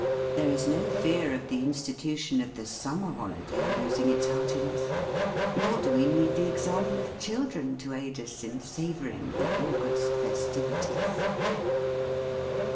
There is no fear of the institution of the sum mer holiday losing its heartiness. Nor do we need the example of children to aid us in savouring the August "festivi ties."